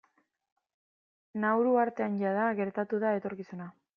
Nauru uhartean jada gertatu da etorkizuna.